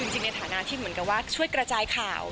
ในฐานะที่เหมือนกับว่าช่วยกระจายข่าว